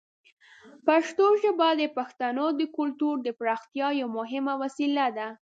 پښتو ژبه د پښتنو د کلتور د پراختیا یوه مهمه وسیله ده.